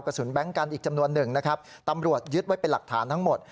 แบงค์กันอีกจำนวนหนึ่งนะครับตำรวจยึดไว้เป็นหลักฐานทั้งหมด